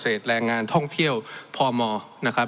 ส่วงเกษตรแรงงานท่องเที่ยวพอมนะครับ